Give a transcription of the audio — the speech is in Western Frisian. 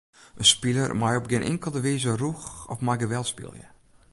In spiler mei op gjin inkelde wize rûch of mei geweld spylje.